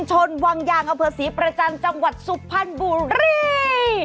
จังหวัดสุภัณห์บุหรี